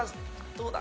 どうだ？